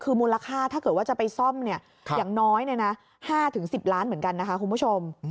คือมูลค่าถ้าเกิดว่าจะไปซ่อมอย่างน้อย๕๑๐ล้านเหมือนกันนะคะคุณผู้ชม